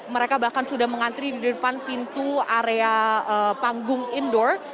mereka bahkan sudah mengantri di depan pintu area panggung indoor